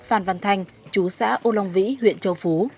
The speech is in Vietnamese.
phan văn thanh chú xã âu long vĩ huyện châu phú